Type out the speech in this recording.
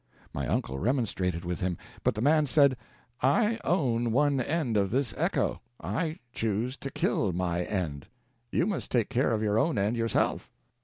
My uncle remonstrated with him, but the man said, "I own one end of this echo; I choose to kill my end; you must take care of your own end yourself."